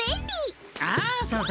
ああそうさ。